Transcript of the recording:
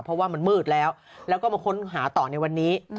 เพราะว่ามันมืดแล้วแล้วก็มาค้นหาต่อในวันนี้